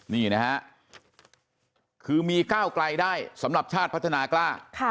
นี่นะฮะคือมีก้าวไกลได้สำหรับชาติพัฒนากล้า